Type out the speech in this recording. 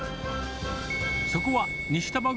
そこは西多摩郡